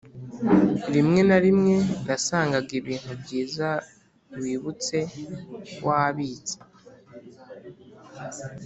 rimwe na rimwe nasangaga ibintu byiza wibutse wabitse